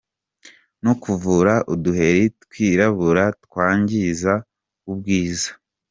no kuvura uduheri twirabura twangiza ubwiza.